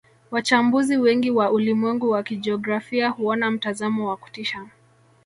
Wachambuzi wengi wa ulimwengu wa kijiografia huona mtazamo wa kutisha